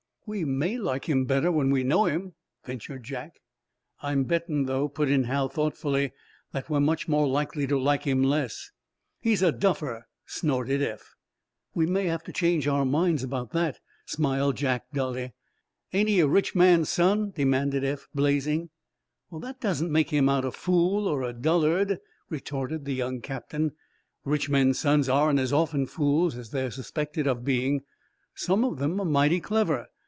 "We may like him better when we know him," ventured Jack. "I'm betting though," put in Hal, thoughtfully, "that we're much more likely to like him less." "He's a duffer!" snorted Eph. "We may have to change our minds about that," smiled Jack, dully. "Ain't he a rich man's son?" demanded Eph, blazing. "That doesn't make him out a fool or a dullard," retorted the young captain. "Rich men's sons aren't as often fools as they're suspected of being. Some of them are mighty clever.